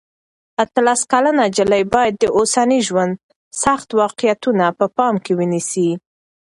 اتلس کلنه نجلۍ باید د اوسني ژوند سخت واقعیتونه په پام کې ونیسي.